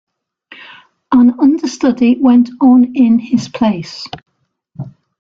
An understudy went on in his place.